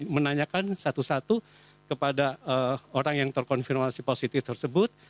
menanyakan satu satu kepada orang yang terkonfirmasi positif tersebut